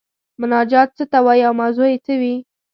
مناجات څه ته وايي او موضوع یې څه وي؟